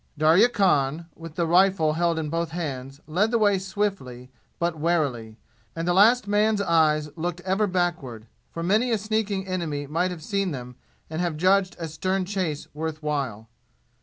Darya Khan, with the rifle held in both hands, led the way swiftly, but warily; and the last man's eyes looked ever backward, for many a sneaking enemy might have seen them and have judged a stern chase worth while.